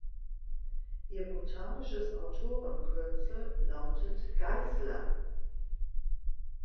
Ihr botanisches Autorenkürzel lautet „Geissler“.